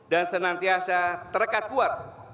dan senantiasa terkat kuat